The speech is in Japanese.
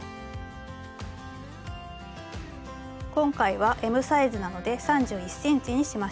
今回はＭサイズなので３１ｃｍにしました。